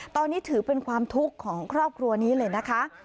ตอนนี้ถือเป็นความทุกข์ของครอบครัวนี้เลยนะคะ